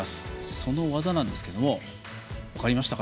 その技なんですけれども分かりましたか？